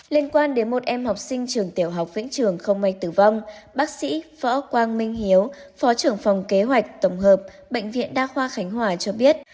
liên quan đến một em học sinh trường tiểu học vĩnh trường không may tử vong bác sĩ võ quang minh hiếu phó trưởng phòng kế hoạch tổng hợp bệnh viện đa khoa khánh hòa cho biết